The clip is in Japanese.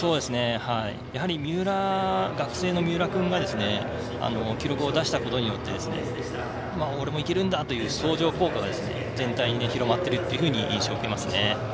やはり学生の三浦君が記録を出したことによって俺もいけるんだ！という相乗効果が全体に広まっているというふうに印象受けますね。